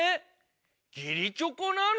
義理チョコなの？